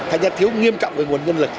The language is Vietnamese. hay là thiếu nghiêm trọng về nguồn nhân lực